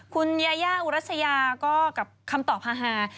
ยายาอุรัสยาก็กับคำตอบฮา